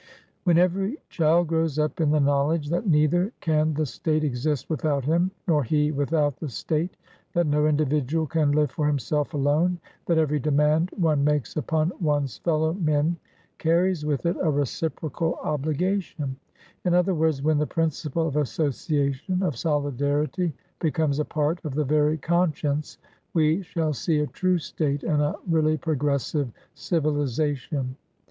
When every child grows up in the knowledge that neither can the State exist without him, nor he without the Statethat no individual can live for himself alonethat every demand one makes upon one's fellow men carries with it a reciprocal obligationin other words, when the principle of association, of solidarity, becomes a part of the very conscience, we shall see a true State and a really progressive civilisation.